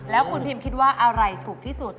แล้วคุณพิมคิดว่าอะไรถูกที่สุด